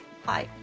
はい。